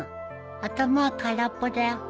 頭は空っぽだよ。